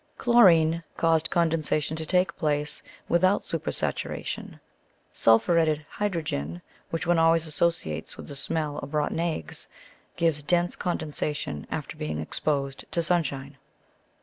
Chlorine causes condensation to take place without supersaturation; sulphuretted hydrogen (which one always associates with the smell of rotten eggs) gives dense condensation after being exposed to sunshine.